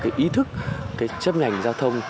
cái ý thức cái chấp ngành giao thông